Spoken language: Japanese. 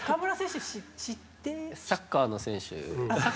サッカーの選手？